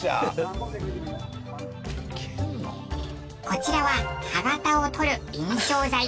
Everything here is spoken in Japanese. こちらは歯型を取る印象材。